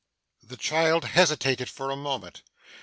The child hesitated for a moment.